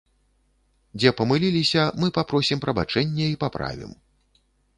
Дзе памыліліся, мы папросім прабачэння і паправім.